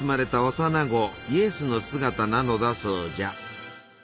幼な子イエスの姿なのだそうじゃ。